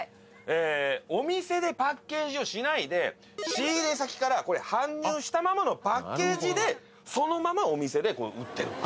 お店でパッケージをしないで仕入れ先から搬入したままのパッケージでそのままお店で売ってる。